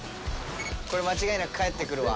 これ間違いなく帰ってくるわ。